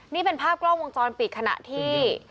นี่เป็นภาพกล้องวงจรปิดขณะที่